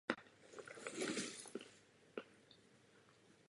Později se majitelé zámku často střídali.